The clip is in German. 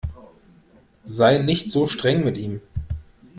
Sei nicht so streng mit ihm!